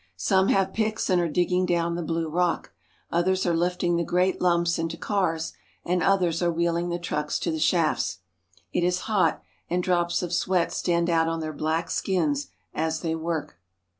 Some have picks and are digging down the blue rock, others are lifting the great lumps into cars, and others are wheeling the trucks to the shafts. It is hot, and drops of sweat stand out on their black skins as they work.